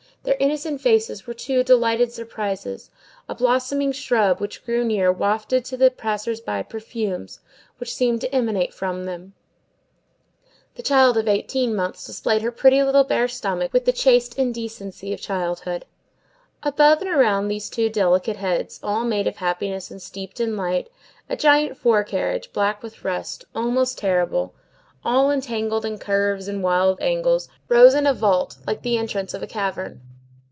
Their innocent faces were two delighted surprises; a blossoming shrub which grew near wafted to the passers by perfumes which seemed to emanate from them; the child of eighteen months displayed her pretty little bare stomach with the chaste indecency of childhood. Above and around these two delicate heads, all made of happiness and steeped in light, the gigantic fore carriage, black with rust, almost terrible, all entangled in curves and wild angles, rose in a vault, like the entrance of a cavern.